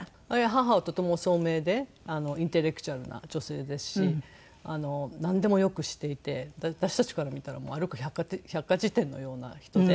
母はとても聡明でインテレクチュアルな女性ですしなんでもよく知っていて私たちから見たら歩く百科事典のような人で。